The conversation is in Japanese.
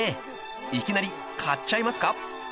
［いきなり買っちゃいますか？］